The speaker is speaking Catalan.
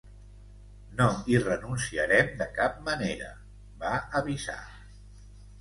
No hi renunciarem de cap manera, va avisar.